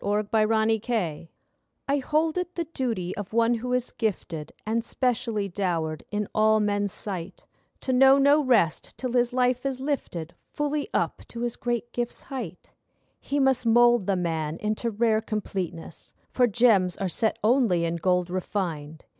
NOBLESSE OBLIGE I hold it the duty of one who is gifted And specially dowered in all men's sight, To know no rest till his life is lifted Fully up to his great gifts' height. He must mould the man into rare completeness, For gems are set only in gold refined.